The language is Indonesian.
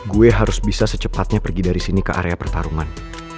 gue harus bisa secepatnya pergi dari sini ke area pertarungan